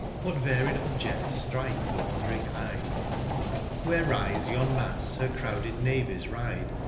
what varied objedls ftrike the wandering eyes ! Where rife yon mafts her crowded navies ride.